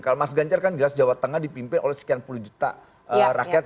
kalau mas ganjar kan jelas jawa tengah dipimpin oleh sekian puluh juta rakyat